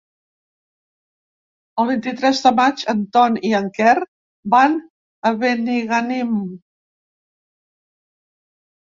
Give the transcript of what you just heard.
El vint-i-tres de maig en Ton i en Quer van a Benigànim.